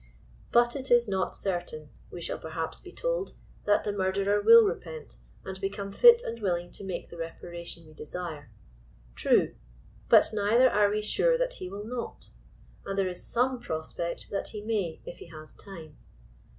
But it is not certain, we shall perhaps be told, that the murderer will repent and become lit and willing to make the reparation we desire. Tnie: but neither are we sure that he will not« and there is some prospect that he may if he has time.